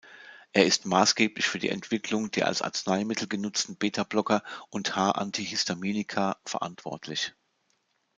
Er ist maßgeblich für die Entwicklung der als Arzneimittel genutzten Betablocker und H-Antihistaminika verantwortlich.